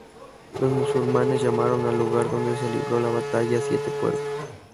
Los musulmanes llamaron al lugar donde se libró la batalla "Siete Puercos".